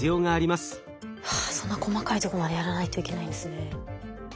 はあそんな細かいとこまでやらないといけないんですね。